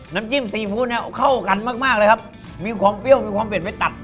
น้ำจิ้มซีฟู้ดเนี่ยเข้ากันมากมากเลยครับมีความเปรี้ยวมีความเด็ดไม่ตัด